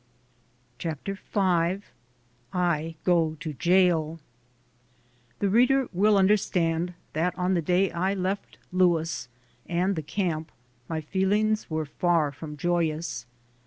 CHAPTER V I GO TO JAIL THE reader will understand that on the day I left Louis and the camp my feelings were far from joyous.